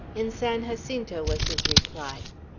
'In San Jacinto,' was his reply.